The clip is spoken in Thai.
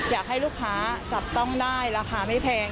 อยากให้ลูกค้าจับต้องได้ราคาไม่แพง